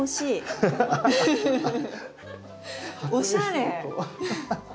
おしゃれ！